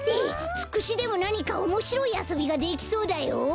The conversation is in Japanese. ツクシでもなにかおもしろいあそびができそうだよ。